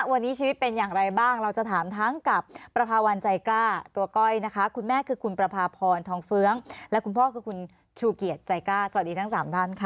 วันนี้ชีวิตเป็นอย่างไรบ้างเราจะถามทั้งกับประพาวันใจกล้าตัวก้อยนะคะคุณแม่คือคุณประพาพรทองเฟื้องและคุณพ่อคือคุณชูเกียจใจกล้าสวัสดีทั้ง๓ท่านค่ะ